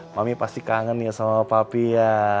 mami pasti kangen ya sama mami papi ya